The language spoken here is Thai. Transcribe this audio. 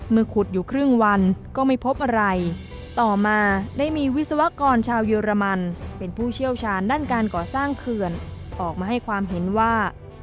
ขุดอยู่ครึ่งวันก็ไม่พบอะไรต่อมาได้มีวิศวกรชาวเยอรมันเป็นผู้เชี่ยวชาญด้านการก่อสร้างเขื่อนออกมาให้ความเห็นว่า